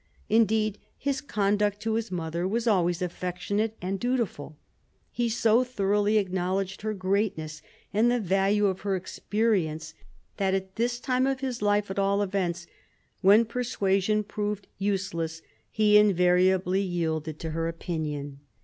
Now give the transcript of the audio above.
Indeed, his conduct to his mother was always affectionate and dutiful. He so thoroughly acknowledged her greatness and the value of her experience, that at this time of his life at all events, when persuasion proved useless he invariably yielded to her opinion.